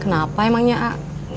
kenapa emangnya ah